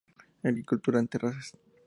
Agricultura en terrazas.